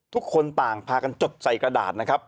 ทุกคนต่างพากันจดใส่กระดาษนะครับ